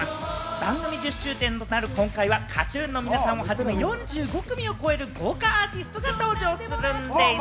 番組１０周年となる今回はＫＡＴ−ＴＵＮの皆さんをはじめ、４５組を超える豪華アーティストが登場するんでぃす！